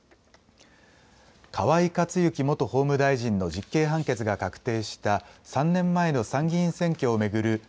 河合克行元法務大臣の実刑判決が確定した３年前の参議院選挙を巡る